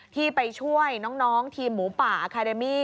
ที่ไปช่วยน้องทีมหมูป่าอาคาเดมี่